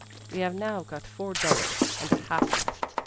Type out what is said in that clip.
We have now got four dollars and a half left.